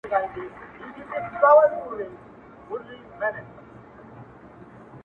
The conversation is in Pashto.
چي لا ولي لیري پروت یې ما ته نه یې لا راغلی-